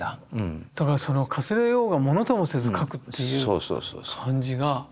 だからかすれようがものともせず描くっていう感じが。